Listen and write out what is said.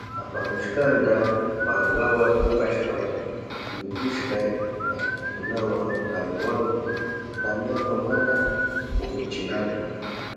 Apahushkanta pankawa tapashpan nitichishka kaspikunawa kanuwanpi, tamyaka mana ukuchinanpa.